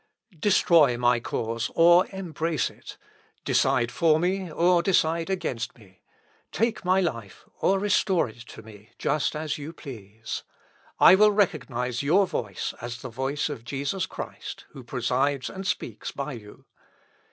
Destroy my cause, or embrace it; decide for me, or decide against me; take my life, or restore it to me, just as you please. I will recognise your voice as the voice of Jesus Christ, who presides and speaks by you.